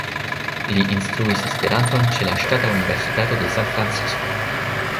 Li instruis Esperanton ĉe la Ŝtata Universitato de San-Francisko.